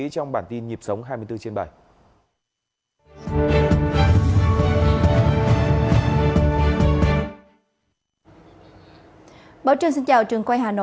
trong bản tin nhịp sống hai mươi bốn trên bảy